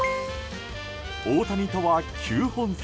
大谷とは９本差。